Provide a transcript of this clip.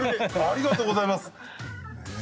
ありがとうございます。